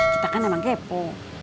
kita kan emang kepo